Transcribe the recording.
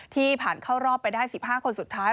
ที่ผ่านเข้ารอบไปได้๑๕คนสุดท้าย